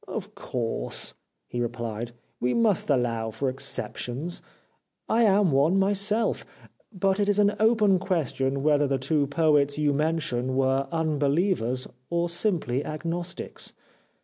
"' Of course/ he replied, ' we must allow for exceptions. I am one myself, but it is an open question whether the two poets you mention were unbelievers or simply agnostics.